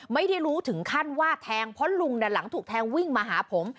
ไม่ได้รู้ถึงขั้นว่าแทงเพราะลุงหลังถูกแทงวิ่งมาหาผม